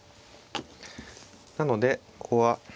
なのでここは。